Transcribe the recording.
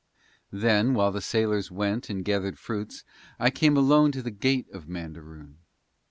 Then while the sailors went and gathered fruits I came alone to the gate of Mandaroon.